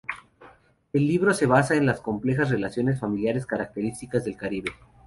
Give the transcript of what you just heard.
El libro se basa en las complejas relaciones familiares características del Caribe.